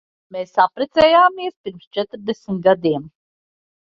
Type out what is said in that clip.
Mēs apprecējāmies pirms četrdesmit gadiem.